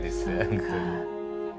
本当に。